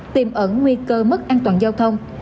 tìm ẩn nguy cơ mất an toàn giao thông